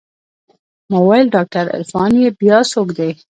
ما وويل ډاکتر عرفان يې بيا څوک دى.